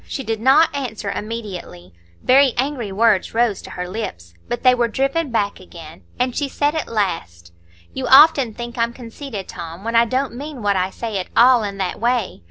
She did not answer immediately; very angry words rose to her lips, but they were driven back again, and she said at last: "You often think I'm conceited, Tom, when I don't mean what I say at all in that way.